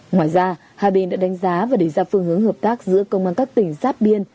ngoài ra hai bên đã đánh giá và đề ra phương hướng hợp tác giữa công an các tỉnh giáp biên